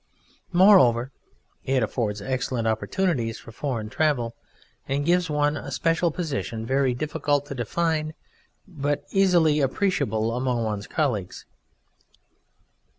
Moreover, it affords excellent opportunities for foreign travel, and gives one a special position very difficult to define, but easily appreciable among one's colleagues.